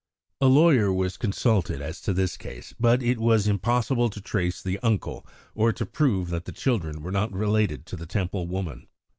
A lawyer was consulted as to this case, but it was impossible to trace the uncle or to prove that the children were not related to the Temple woman.